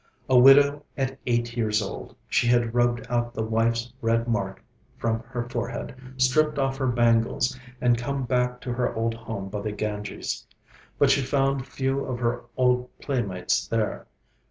A widow at eight years old, she had rubbed out the wife's red mark from her forehead, stripped off her bangles, and come back to her old home by the Ganges. But she found few of her old playmates there.